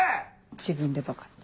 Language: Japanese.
自分で「バカ」って。